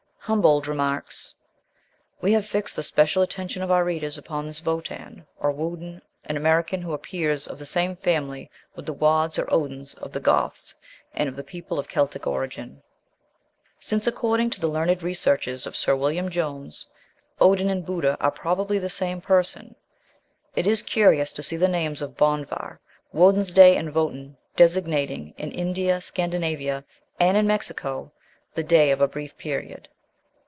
Humboldt remarks: "We have fixed the special attention of our readers upon this Votan, or Wodan, an American who appears of the same family with the Wods or Odins of the Goths and of the people of Celtic origin. Since, according to the learned researches of Sir William Jones, Odin and Buddha are probably the same person, it is curious to see the names of Bondvar, Wodansday, and Votan designating in India, Scandinavia, and in Mexico the day of a brief period."